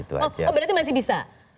oh berarti masih bisa